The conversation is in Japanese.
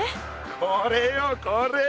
これよこれ！